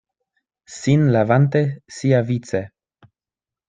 Sin levante siavice: